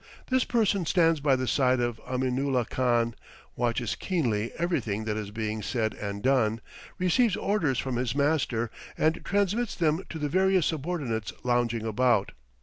This person stands by the side of Aminulah Khan, watches keenly everything that is being said and done, receives orders from his master, and transmits them to the various subordinates lounging about.